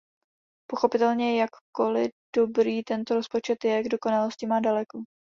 Pochopitelně, jakkoli dobrý tento rozpočet je, k dokonalosti má daleko.